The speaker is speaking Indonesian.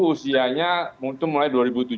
usianya mulai dua ribu tujuh belas